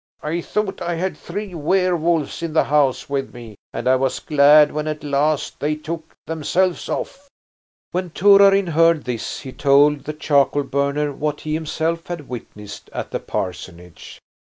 I thought I had three werewolves in the house with me, and I was glad when at last they took themselves off." When Torarin heard this he told the charcoal burner what he himself had witnessed at the parsonage.